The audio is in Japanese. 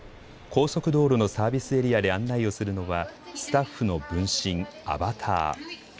高速道路のサービスエリアで案内をするのはスタッフの分身、アバター。